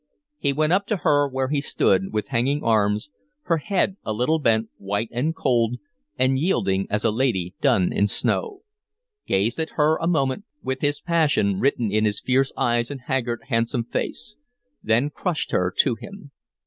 He went up to her where she stood, with hanging arms, her head a little bent, white and cold and yielding as a lady done in snow; gazed at her a moment, with his passion written in his fierce eyes and haggard, handsome face; then crushed her to him.